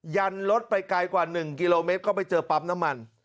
ยันรถไปไกลกว่า๑กิโลเมตรก็ไปเจอปั๊มน้ำมัน